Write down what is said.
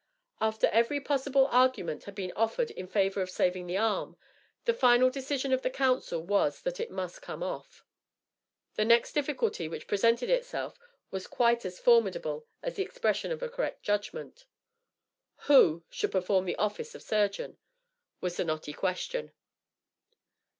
After every possible argument had been offered in favor of saving the arm, the final decision of the council was that it must come off. The next difficulty which presented itself was quite as formidable as the expression of a correct judgment. Who should perform the office of surgeon, was the knotty question?